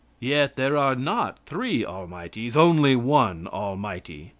Yet there are not three almighties, only one Almighty.